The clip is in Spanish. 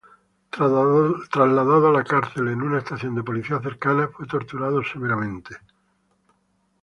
Trasladado a la cárcel en una estación de policía cercana fue torturado severamente.